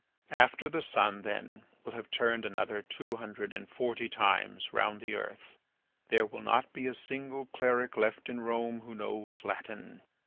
... "After the sun, then, will have turned another two hundred and forty times round the earth, there will not be a single cleric left in Rome who knows Latin.